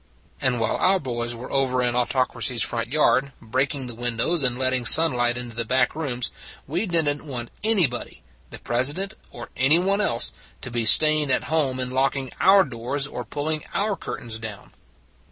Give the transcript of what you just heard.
And while our boys were over in Au tocracy s front yard, breaking the windows and letting sunlight into the back rooms, we didn t want anybody the President or anyone else to be staying at home and locking our doors or pulling our cur tains down.